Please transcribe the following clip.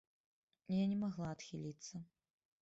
Я не магла адхіліцца.